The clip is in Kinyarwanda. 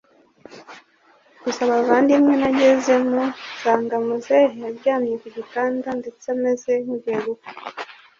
gusa bavandimwe nagezemo nsanga muzehe aryamye kugitanda ndetse ameze nkugiye gupfa,